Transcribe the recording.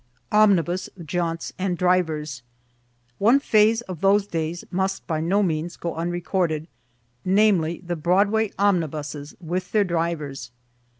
OMNIBUS JAUNTS AND DRIVERS One phase of those days must by no means go unrecorded namely, the Broadway omnibuses, with their drivers.